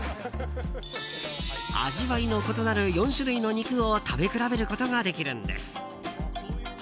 味わいの異なる４種類の肉を食べ比べることができるんです。